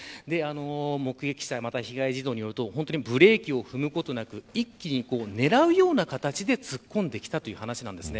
目撃者した被害児童によるとブレーキを踏むことなく一気に狙うような形で突っ込んできたという話です。